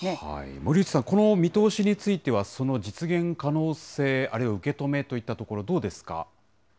森内さん、この見通しについては、その実現可能性、あるいは受け止めといったところ、どうですか？